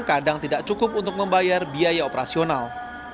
kadang tidak cukup untuk membayar biaya operasional